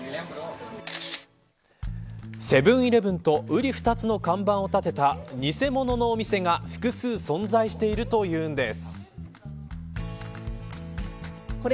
セブン‐イレブンとうり二つの看板を立てた偽物のお店が複数存在しているというんです。